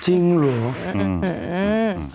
จริงหรือ